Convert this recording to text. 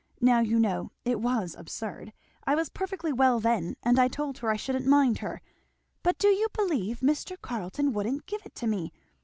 Now you know, it was absurd! I was perfectly well then, and I told her I shouldn't mind her; but do you believe Mr. Carleton wouldn't give it to me?